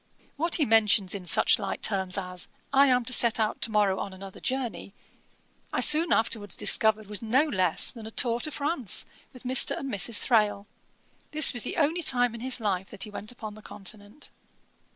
What he mentions in such light terms as, 'I am to set out to morrow on another journey,' I soon afterwards discovered was no less than a tour to France with Mr. and Mrs. Thrale. This was the only time in his life that he went upon the Continent.